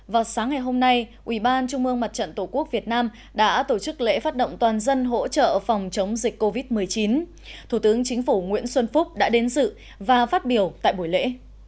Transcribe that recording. vào sáng ngày hôm nay ủy ban trung mương mặt trận tổ quốc việt nam đã tổ chức lễ phát động toàn dân hỗ trợ phòng chống dịch covid một mươi chín thủ tướng chính phủ nguyễn xuân phúc đã đến dự và phát biểu tại buổi lễ